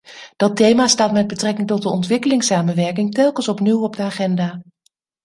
Dat thema staat met betrekking tot de ontwikkelingssamenwerking telkens opnieuw op de agenda.